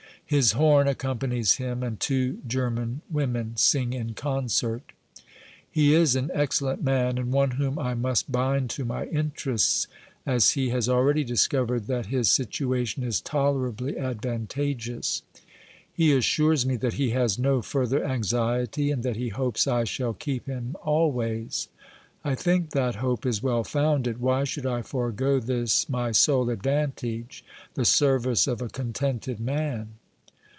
His horn accompanies him, and two German women sing in concert. He is an excellent man, and one whom I must bind to my interests, as he has already discovered that his situation is tolerably advantageous. He assures me that he has no further anxiety, and that he hopes I shall keep him always. I think that hope is well founded. Why should I forego this my sole advantage, the service of a contented man